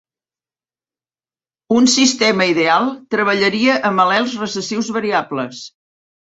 Un sistema ideal treballaria amb al·lels recessius variables.